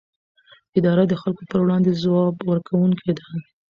اداره د خلکو پر وړاندې ځواب ورکوونکې ده.